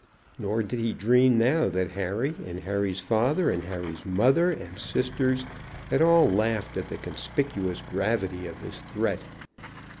Nor did he dream now that Harry and Harry's father, and Harry's mother and sisters, had all laughed at the conspicuous gravity of his threat.